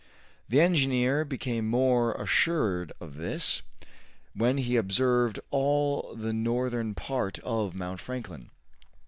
The engineer became more assured of this when he observed all the northern part of Mount Franklin.